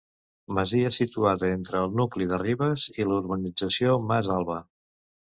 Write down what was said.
Masia situada entre el nucli de Ribes i la urbanització Mas Alba.